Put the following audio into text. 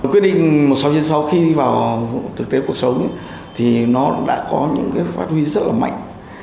quyết định sáu sáu khi vào thực tế cuộc sống thì nó đã có những phát huy rất là mạnh